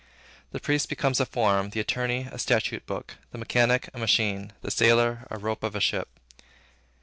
The priest becomes a form; the attorney, a statute book; the mechanic, a machine; the sailor, a rope of a ship.